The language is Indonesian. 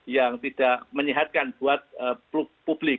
yang tidak menyehatkan buat publik